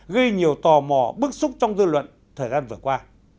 gây nhiều tò mò bức xúc trong dư luận thời gian vừa qua